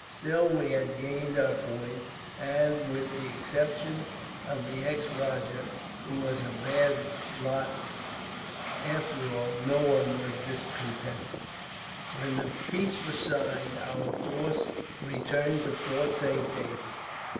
Still, we had gained our point, and, with the exception of the ex rajah, who was a bad lot after all, no one was discontented. "When the peace was signed, our force returned to Fort Saint David.